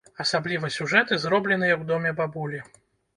Асабліва сюжэты, зробленыя ў доме бабулі.